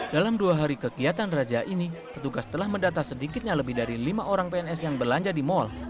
dalam dua hari kegiatan raja ini petugas telah mendata sedikitnya lebih dari lima orang pns yang belanja di mal